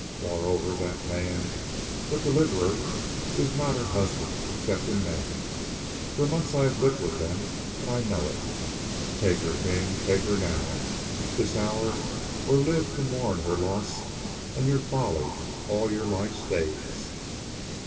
Moreover, that man, the Deliverer, is not her husband, except in name; for months I have lived with them and I know it. Take her, King, take her now, this hour, or live to mourn her loss and your own folly all your life's days."